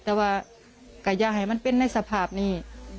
แต่กะยาให้มันเป็นในสภาพนี้